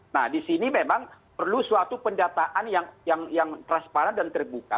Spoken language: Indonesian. nah di sini memang perlu suatu pendataan yang transparan dan terbuka